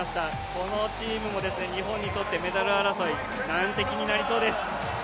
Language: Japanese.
このチームも日本にとってメダル争い、難敵となりそうです。